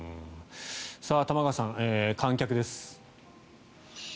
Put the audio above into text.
玉川さん、観客です。